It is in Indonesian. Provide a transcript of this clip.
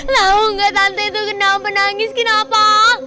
lalu nggak tante itu kenapa nangis kenapa